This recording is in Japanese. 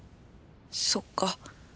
そっか。